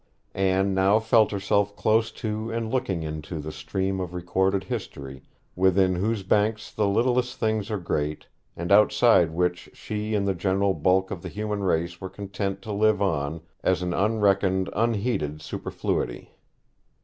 Anne now felt herself close to and looking into the stream of recorded history, within whose banks the littlest things are great, and outside which she and the general bulk of the human race were content to live on as an unreckoned, unheeded superfluity.